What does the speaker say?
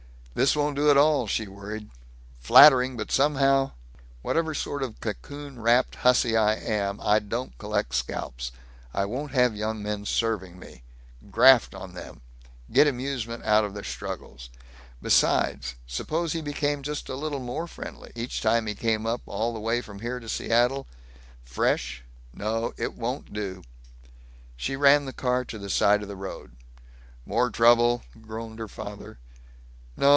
"This won't do at all," she worried. "Flattering, but somehow Whatever sort of a cocoon wrapped hussy I am, I don't collect scalps. I won't have young men serving me graft on them get amusement out of their struggles. Besides suppose he became just a little more friendly, each time he came up, all the way from here to Seattle?... Fresh.... No, it won't do." She ran the car to the side of the road. "More trouble?" groaned her father. "No.